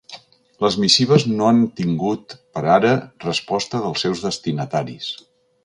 Les missives no han tingut, per ara, resposta dels seus destinataris.